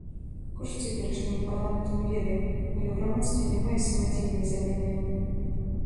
Кошт цяперашняму парламенту мы ведаем, але ў грамадстве няма і самадзейнай замены яму.